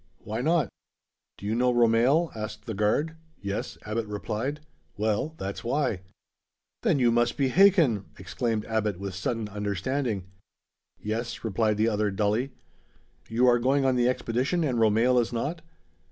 "Why not?" "Do you know Romehl?" asked the guard. "Yes," Abbot replied. "Well, that's why." "Then you must be Hakin!" exclaimed Abbot, with sudden understanding. "Yes," replied the other dully. "You are going on the expedition, and Romehl is not?"